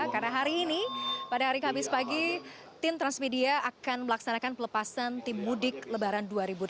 karena hari ini pada hari habis pagi tim transmedia akan melaksanakan pelepasan tim mudik lebaran dua ribu delapan belas